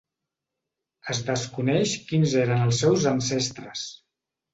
Es desconeix quins eren els seus ancestres.